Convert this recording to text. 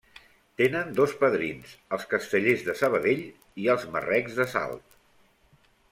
Tenen dos padrins: els Castellers de Sabadell i els Marrecs de Salt.